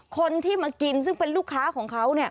คนที่มากินซึ่งเป็นลูกค้าของเขา